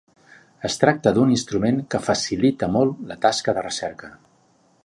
Es tracta d’un instrument que facilita molt la tasca de recerca.